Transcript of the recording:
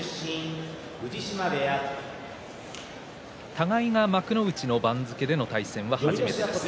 互いが幕内の番付での対戦は初めてです。